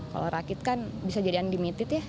kalau rakit kan bisa jadi unlimited ya